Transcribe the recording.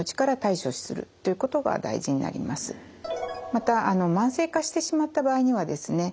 また慢性化してしまった場合にはですね